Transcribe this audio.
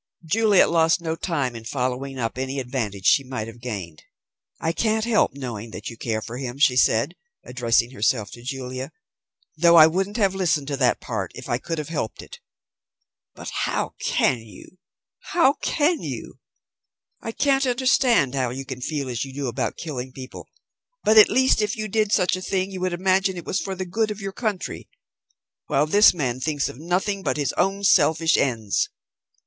Juliet lost no time in following up any advantage she might have gained. "I can't help knowing that you care for him," she said, addressing herself to Julia, "though I wouldn't have listened to that part if I could have helped it. But how can you? How can you? I can't understand how you can feel as you do about killing people, but at least if you did such a thing you would imagine it was for the good of your country, while this man thinks of nothing but his own selfish ends.